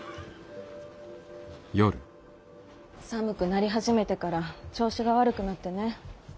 寒くなり始めてから調子が悪くなってねぇ。